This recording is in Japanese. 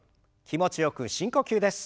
気持ちよく深呼吸です。